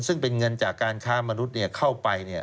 ซึ่งเป็นเงินจากการค้ามนุษย์เข้าไป